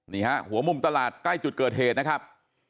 นี่ฮะหัวมุมตลาดใกล้จุดเกิดเหตุนะครับ